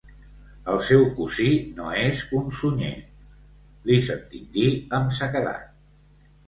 El seu cosí no és un Sunyer –li sentim dir amb sequedat.